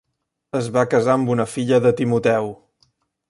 Es va casar amb una filla de Timoteu.